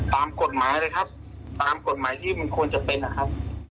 ตามกฎหมายเลยครับตามกฎหมายที่มันควรจะเป็นนะครับ